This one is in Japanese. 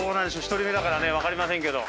１人目だから分かりませんけど。